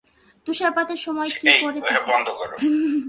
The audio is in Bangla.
তুষারপাতের সময় কি করো তাহলে?